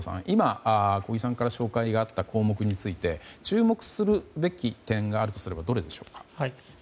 今、小木さんから紹介があった項目について注目するべき点があるとすればどれでしょうか？